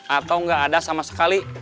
atau nggak ada sama sekali